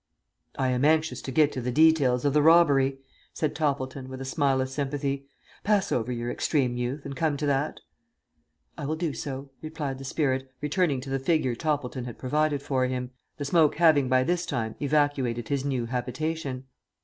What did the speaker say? "I am anxious to get to the details of the robbery," said Toppleton, with a smile of sympathy; "pass over your extreme youth and come to that." "I will do so," replied the spirit, returning to the figure Toppleton had provided for him, the smoke having by this time evacuated his new habitation.